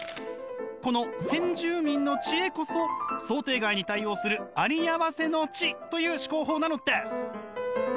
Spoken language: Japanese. この先住民の知恵こそ想定外に対応するありあわせの知という思考法なのです！